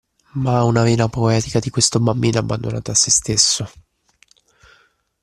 Ma ha una vena poetica di questo bambino abbandonato a sè stesso